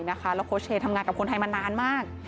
แล้วโค้ชเชย์ทำงานกับคนไทยมานานมาก